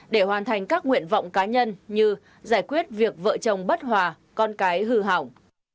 để hoàn thành các nguyện vọng cá nhân như giải quyết việc vợ chồng bất hòa con cái hư hỏng